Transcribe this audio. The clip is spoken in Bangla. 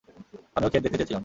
আমিও ক্ষেত দেখতে চেয়েছিলাম।